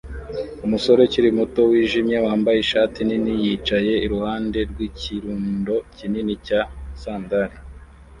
Umusore ukiri muto wijimye wambaye ishati nini yicaye iruhande rwikirundo kinini cya sandali